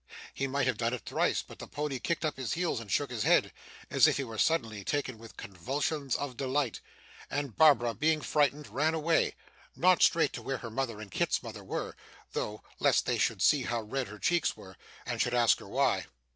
He might have done it thrice, but the pony kicked up his heels and shook his head, as if he were suddenly taken with convulsions of delight, and Barbara being frightened, ran away not straight to where her mother and Kit's mother were, though, lest they should see how red her cheeks were, and should ask her why.